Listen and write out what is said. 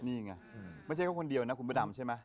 นี่ไงไม่ใช่เขาคนเดียวนะคุณพระดำใช่ไหม